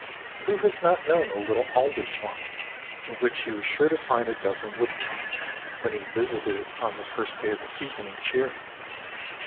Who has not known a little alder swamp, in which he was sure to find a dozen woodcock, when he visited it on the first day of the season each year?